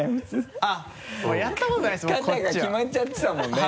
肩がきまっちゃってたもんね。